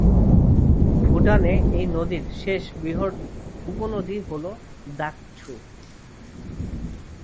ভুটানে এই নদীর শেষ বৃহৎ উপনদী হল দাগ ছু।